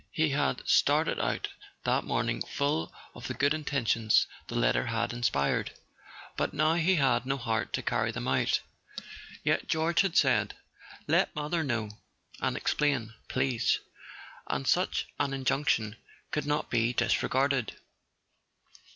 He had started out that morn¬ ing full of the good intentions the letter had inspired; but now he had no heart to carry them out. Yet George had said: "Let mother know, and explain, please;" and such an injunction could not be disregarded.